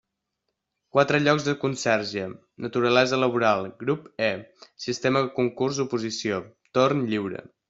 Quatre llocs de conserge, naturalesa laboral, grup E, sistema concurs oposició, torn lliure.